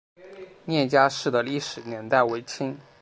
聂家寺的历史年代为清。